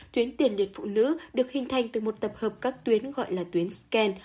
tuyến tiền liệt phụ nữ được hình thành từ một tập hợp các tuyến gọi là tuyến scan